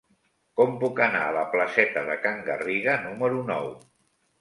Com puc anar a la placeta de Can Garriga número nou?